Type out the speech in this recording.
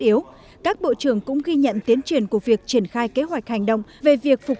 yếu các bộ trưởng cũng ghi nhận tiến triển của việc triển khai kế hoạch hành động về việc phục